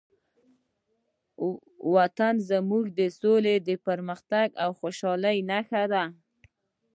وطن زموږ د سولې، پرمختګ او خوشحالۍ نښه ده.